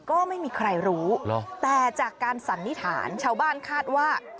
ก็ไม่มีใครรู้แต่จากการสันนิษฐานชาวบ้านคาดว่า